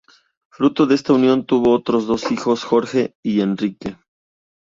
Fruto de esta unión tuvo otros dos hijos, Jorge y Enrique.